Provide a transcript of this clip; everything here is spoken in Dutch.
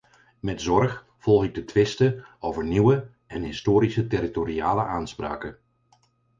Met zorg volg ik de twisten over nieuwe en historische territoriale aanspraken.